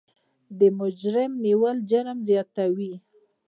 د مجرم نه نیول جرم زیاتوي.